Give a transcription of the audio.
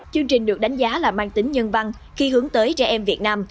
chương trình được đánh giá là mang tính nhân văn khi hướng tới trẻ em việt nam